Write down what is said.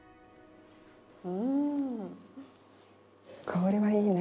うん香りがいいね。